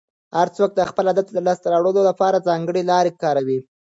هر څوک د خپل هدف د لاسته راوړلو لپاره ځانګړې لاره کاروي.